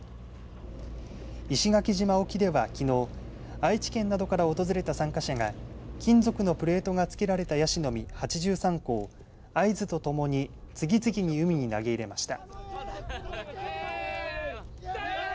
石垣島沖ではきのう愛知県などから訪れた参加者が金属のプレートが付けられたやしの実８３個を合図とともに次々に海に投げ入れました。